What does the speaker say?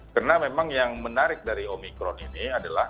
karena memang yang menarik dari omikron ini adalah